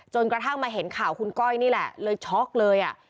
กระทั่งมาเห็นข่าวคุณก้อยนี่แหละเลยช็อกเลยอ่ะ